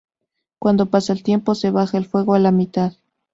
Cuando pasa el tiempo se baja el fuego a la mitad.